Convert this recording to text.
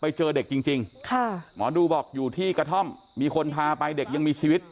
ไปเจอเด็กจริงค่ะหมอดูบอกอยู่ที่กระท่อมมีคนพาไปเด็กยังมีชีวิต